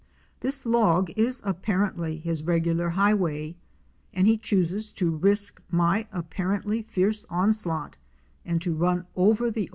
This log is apparently his regular highway, and he chooses to risk my apparently fierce onslaught and to run over the JUNGLE LIFE AT AREMU.